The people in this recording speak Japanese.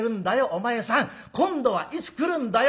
お前さん。今度はいつ来るんだよ